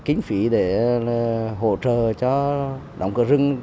kinh phí để hỗ trợ cho động cơ rừng